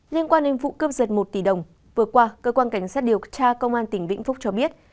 liên quan đến vụ cướp giật một tỷ đồng vừa qua cơ quan cảnh sát điều tra công an tỉnh vĩnh phúc cho biết